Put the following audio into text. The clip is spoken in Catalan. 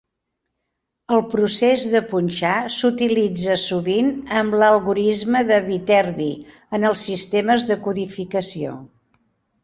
El procés de punxar s'utilitza sovint amb l'algorisme de Viterbi en els sistemes de codificació.